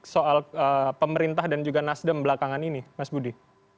soal pemerintah dan juga nasdem belakangan ini mas budi